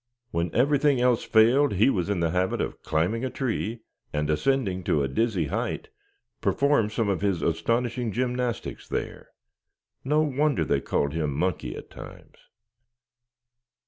When everything else failed he was in the habit of climbing a tree, and ascending to a dizzy height, perform some of his astonishing gymnastics there. No wonder they called him "Monkey" at times.